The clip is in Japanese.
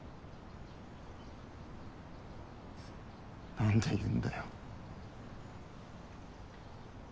なんで言うんだよ。